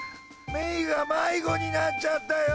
メイが迷子になっちゃったよ。